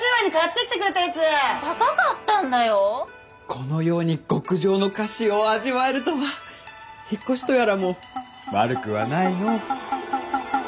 このように極上の菓子を味わえるとは引っ越しとやらも悪くはないのぉ。